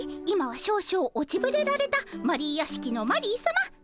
今は少々落ちぶれられたマリー屋敷のマリーさま